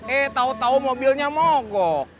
eh tau tau mobilnya mogok